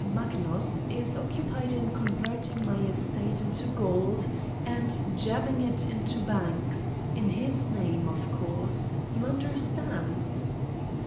Magnus is occupied in converting my estate into gold and jamming it into banks, in his name, of course. You understand?